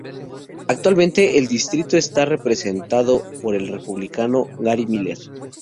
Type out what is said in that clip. Actualmente el distrito está representado por el Republicano Gary Miller.